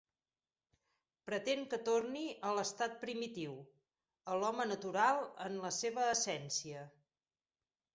Pretén que torni a l'estat primitiu, a l'home natural en la seva essència.